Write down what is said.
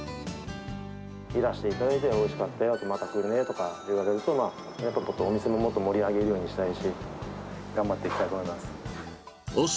いらしていただいて、おいしかったよ、また来るねとか言われると、お店をもっと盛り上げるようにしたいし、頑張っていきたいと思います。